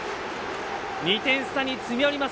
２点差に詰め寄ります。